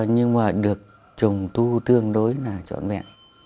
nhưng mà được trùng tu tương đối là trọn vẹn